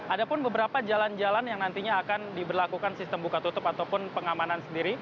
ada pun beberapa jalan jalan yang nantinya akan diberlakukan sistem buka tutup ataupun pengamanan sendiri